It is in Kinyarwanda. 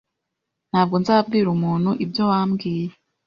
Ntabwo nzabwira umuntu ibyo wambwiye